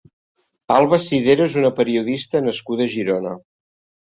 Alba Sidera és una periodista nascuda a Girona.